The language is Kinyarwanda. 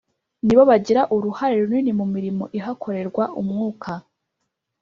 Ni bo bagira uruhare runini mu mirimo ihakorerwa umwuka